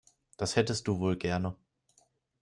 Das hättest du wohl gerne.